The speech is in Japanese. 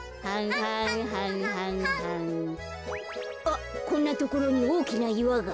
あっこんなところにおおきないわが。